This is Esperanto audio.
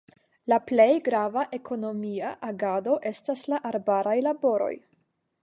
La plej grava ekonomia agado estas la arbaraj laboroj.